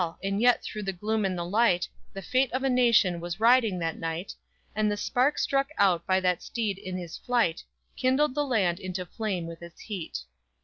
And yet, through the gloom and the light The fate of a nation was riding that night, And the spark struck out by that steed in his flight Kindled the land into flame with its heat.